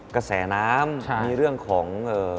กระแสน้ำมีเรื่องของ